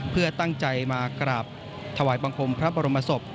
เพื่อตั้งใจมากราบถวายบังคมพระบรมศพ